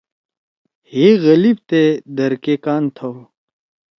ہئے غلیبتے در کے کان تھؤ۔